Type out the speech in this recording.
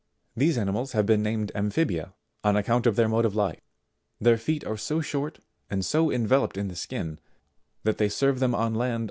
These animals have been named A mphibia, on account of their mode of life ; their feet are so short and so enveloped in the skin that they serve them on land 76.